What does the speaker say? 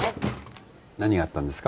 何があったんですか？